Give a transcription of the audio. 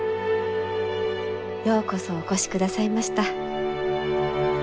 ようこそお越しくださいました。